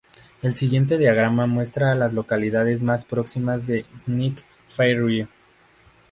El siguiente diagrama muestra a las localidades más próximas a Knik-Fairview.